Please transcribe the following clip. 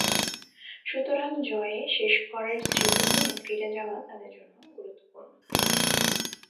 সুতরাং জয়ে শেষ করার স্মৃতি নিয়ে ফিরে যাওয়া তাদের জন্য গুরুত্বপূর্ণ।